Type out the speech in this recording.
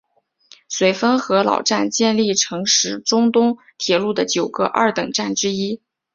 绥芬河老站建立成时为中东铁路的九个二等站之一。